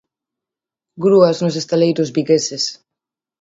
Grúas nos estaleiros vigueses.